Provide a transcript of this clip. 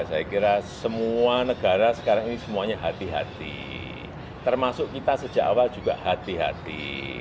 saya kira semua negara sekarang ini semuanya hati hati termasuk kita sejak awal juga hati hati